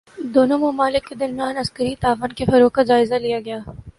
دونوں ممالک کے درمیان عسکری تعاون کے فروغ کا جائزہ لیا گیا